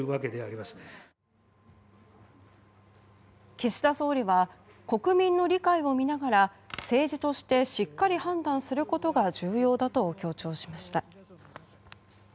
岸田総理は国民の理解を見ながら政治としてしっかり判断することが重要だと強調しました。